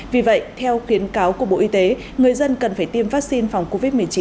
vì vậy theo khuyến cáo của bộ y tế người dân cần phải tiêm vaccine phòng covid một mươi chín